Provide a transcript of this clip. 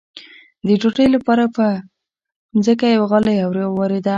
د ډوډۍ لپاره به په ځمکه یوه غالۍ اوارېده.